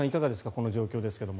この状況ですが。